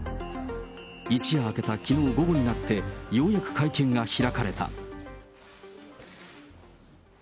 一夜明けたきのう午後になって、ようやく会見が開かれた。